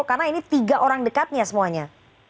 karena ini tiga orang dekatnya semuanya